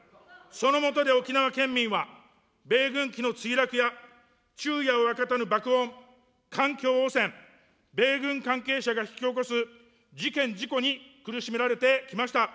そのもとで沖縄県民は、米軍機の墜落や昼夜を分かたぬ爆音、環境汚染、米軍関係者が引き起こす事件、事故に苦しめられてきました。